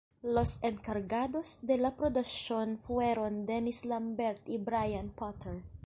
Los encargados de la producción fueron Dennis Lambert y Brian Potter.